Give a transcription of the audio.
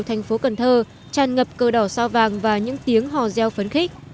thành phố cần thơ tràn ngập cờ đỏ sao vàng và những tiếng hò reo phấn khích